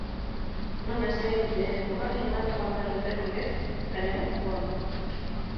Унан әсәйемде, уға һыйынған туғандарымды күргәс, ғәләмәт ҡыуандым.